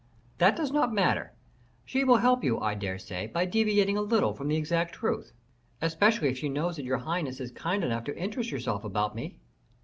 "That does not matter; she will help you, I dare say, by deviating a little from the exact truth." "Especially if she knows that your highness is kind enough to interest yourself about me."